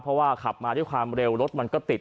เพราะว่าขับมาด้วยความเร็วรถมันก็ติด